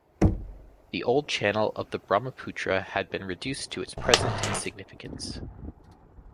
The old channel of the Brahmaputra had been reduced to its present insignificance.